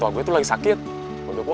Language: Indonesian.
aduh udah kena